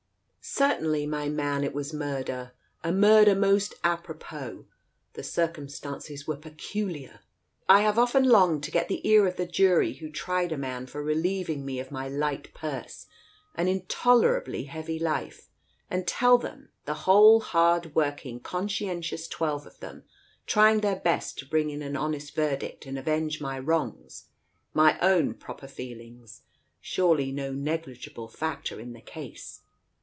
"Certainly, my man, it was a murder — a murder most apropos. The circumstances were peculiar. I have often longed to get the ear of the jury who tried a man for relieving me of my light purse and intolerably heavy life, and tell them — the whole hard working, conscientious twelve of them, trying their best to bring in an honest verdict and avenge my wrongs — my own proper feelings, surely no negligible factor in the case